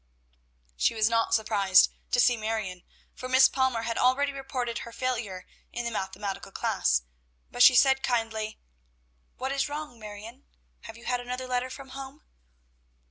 She was not surprised to see Marion, for Miss Palmer had already reported her failure in the mathematical class; but she said kindly, "What is wrong now, Marion? Have you had another letter from home?"